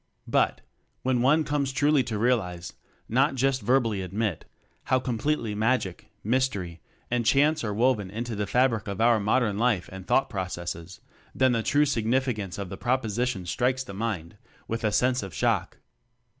But, when one comes truly to realize not just verbally admit how completely magic, mys tery, and chance are woven into the fabric of our modern life and thought processes, then the true sig nificance of the propositions strikes the mind with a sense of shock.